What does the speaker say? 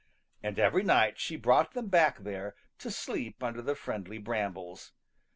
And every night she brought them back there to sleep under the friendly brambles.